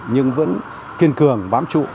nhưng vẫn kiên cường bám trụ